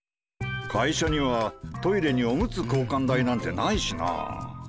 会社にはトイレにおむつ交換台なんてないしな。